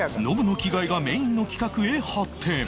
ノブの着替えがメインの企画へ発展